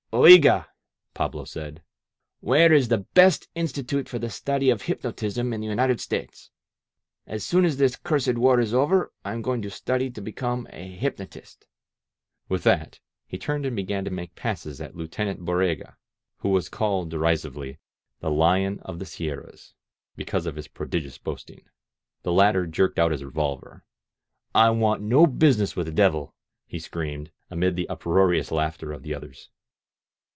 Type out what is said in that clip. "Ofgra/" Pablo said. "Where is the best institute for the study of hypnotism in the United States? ... As soon as this cursed war is over I am going to study to become a hypnotist. ..." With that he turned and began to make passes at Lieutenant Borrega, who was called derisively "The Lion of the Sierras," be cause of his prodigious boasting. The latter jerked out his revolver : "I want no business with the devil !" he screamed, amid the uproarious laughter of the others.